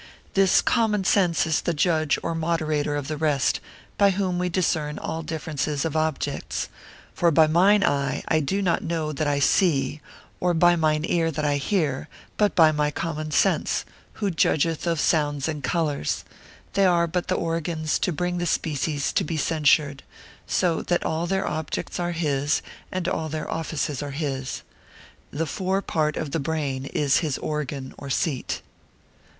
This common sense is the judge or moderator of the rest, by whom we discern all differences of objects; for by mine eye I do not know that I see, or by mine ear that I hear, but by my common sense, who judgeth of sounds and colours: they are but the organs to bring the species to be censured; so that all their objects are his, and all their offices are his. The fore part of the brain is his organ or seat.